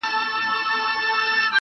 • د غمي له زوره مست ګرځي نشه دی..